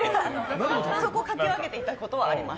そこをかき分けて行った時はあります。